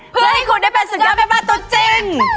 เพื่อให้คุณได้เป็นสุดยอดแม่บ้านตัวจริง